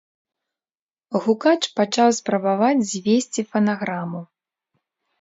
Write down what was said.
Гукач пачаў спрабаваць звесці фанаграму.